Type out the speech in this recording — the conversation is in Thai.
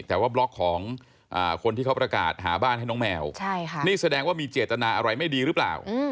แต่ว่าบล็อกของคนที่เขาประกาศหาบ้านให้น้องแมวนี่แสดงว่ามีเจตนาอะไรไม่ดีหรือเปล่า